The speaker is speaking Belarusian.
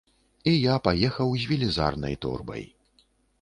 І я паехаў з велізарнай торбай.